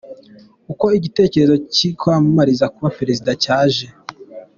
Uko igitekerezo cyo kwiyamamariza kuba Perezida cyaje